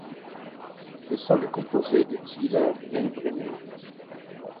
Le sol est composé de till bien drainé.